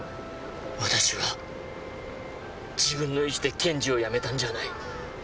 私は自分の意思で検事を辞めたんじゃない。